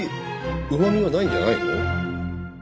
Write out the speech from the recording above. うまみはないんじゃないの？